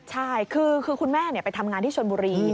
ใช่คือคุณแม่ไปทำงานที่ชนบุรี